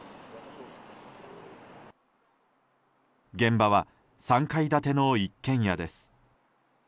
現場は３階建ての一軒家です。